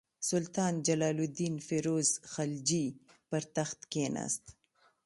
سلطان جلال الدین فیروز خلجي پر تخت کښېناست.